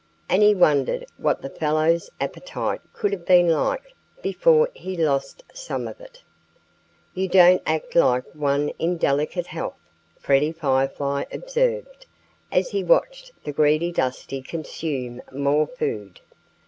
And he wondered what the fellow's appetite could have been like before he lost some of it. "You don't act like one in delicate health," Freddie Firefly observed, as he watched the greedy Dusty consume more food.